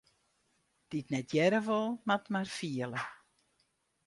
Dy't net hearre wol, moat mar fiele.